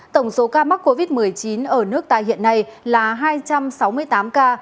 tổng số ca mắc covid một mươi chín ở nước ta hiện nay là hai trăm sáu mươi tám ca